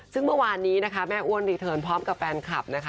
ซึ่งเมื่อวานนี้นะคะแม่อ้วนรีเทิร์นพร้อมกับแฟนคลับนะคะ